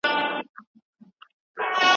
لکه منصور زه دي په خپل نامه بللی یمه